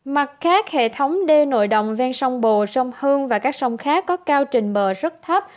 mặt khác hệ thống đê nội đồng ven sông bồ sông hương và các sông khác có cao trình bờ rất thấp